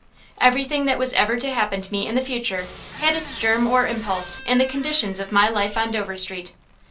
Everything that was ever to happen to me in the future had its germ or impulse in the conditions of my life on Dover Street.